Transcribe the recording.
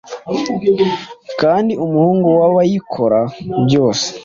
kandi umuhungu wa yabikora byose